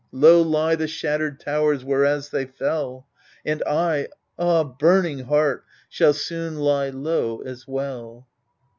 Low lie the shattered towers whereas they fell, And I — ah burning heart !— shall soon lie low as well.